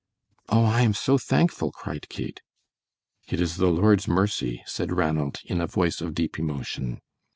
"Oh, I am so thankful!" cried Kate. "It is the Lord's mercy," said Ranald, in a voice of deep emotion.